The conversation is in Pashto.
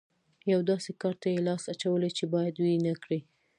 یوه داسې کار ته یې لاس اچولی چې بايد ويې نه کړي.